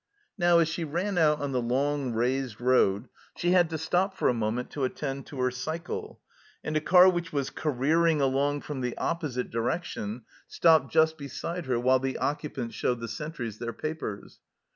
Now as she ran out on the long, raised road she had to stop for a moment to attend to her cycle, and a car which was careering along from the oppo site direction stopped just beside her while the occupants showed the sentries their papers.